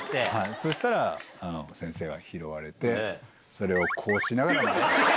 そしたら先生は拾われてそれをこうしながら。